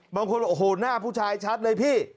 บางคนโอ้โหหน้าผู้ชายชัดเลยพี่